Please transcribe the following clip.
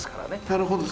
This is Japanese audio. なるほど。